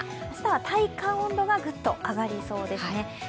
明日は体感温度はグッと上がりそうですね。